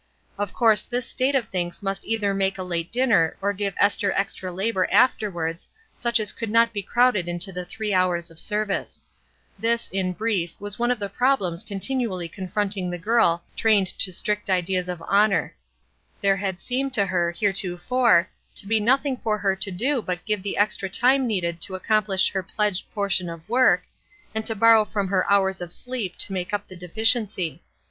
Of course this state of things must either make a late dinner or give Esther extra labor afterwards, such as could not be crowded into the three hours of service. This, in brief, was one of the problems continually confronting 68 ESTER RIED^S NAMESAKE the girl trained to strict ideas of honor. There had seemed to her, heretofore, to be nothing for her to do but give the extra time needed to accomplish her pledged portion of work, and to borrow from her hours of sleep to make up the deficiency.